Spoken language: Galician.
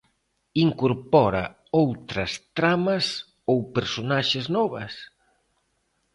Incorpora outras tramas ou personaxes novas?